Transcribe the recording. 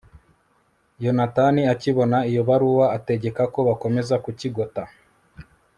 yonatani akibona iyo baruwa, ategeka ko bakomeza kukigota